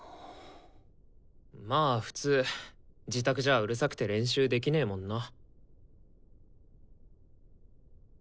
まあ普通自宅じゃうるさくて練習できねもんな。